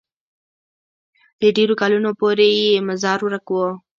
د ډېرو کلونو پورې یې مزار ورک وو.